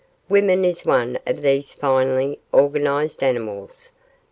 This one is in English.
Woman is one of these finely organized animals.